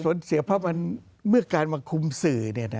ส่วนเสียภาพมันเมื่อการมาคุมสื่อ